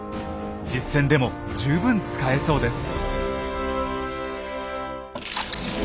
実戦でも十分使えそうです。